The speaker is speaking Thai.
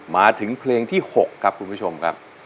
มาถึงเพลงที่๖ครับคุณผู้ชมครับ